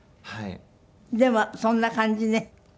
でもそんな感じね。